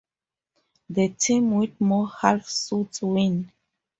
The team with more half-suits wins.